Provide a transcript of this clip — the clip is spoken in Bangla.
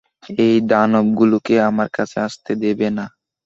ওই দানবগুলোকে আমার কাছে আসতে দেবে না!